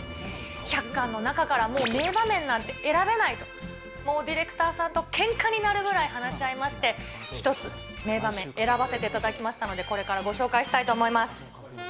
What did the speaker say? １００巻の中からもう名場面なんて選べないと、もうディレクターさんとけんかになるぐらい話し合いまして、１つ名場面、選ばせていただきましたので、これからご紹介したいと思います。